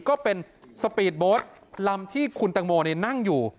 ก็เป็นสปีดโบสต์ลำที่คุณตังโมนั่งอยู่